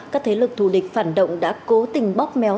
các thế lực thù địch phản động đã cố tình bóp méo